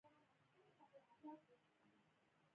دا اړیکه د هر فرد لپاره ده.